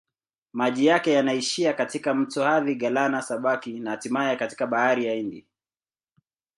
Maji yake yanaishia katika mto Athi-Galana-Sabaki na hatimaye katika Bahari ya Hindi.